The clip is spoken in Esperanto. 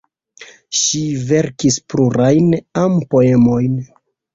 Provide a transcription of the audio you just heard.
Ŝi verkis plurajn am-poemojn.